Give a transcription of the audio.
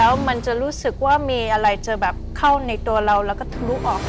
แล้วมันจะรู้สึกว่ามีอะไรจะแบบเข้าในตัวเราแล้วก็ทะลุออก